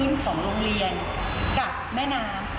ไม่ให้น้ำทะลักเข้ามา